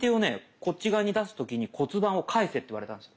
こっち側に出す時に骨盤をかえせって言われたんですよ。